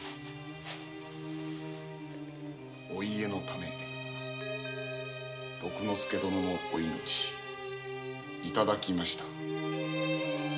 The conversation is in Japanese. お家のために徳之助殿のお命を頂きました。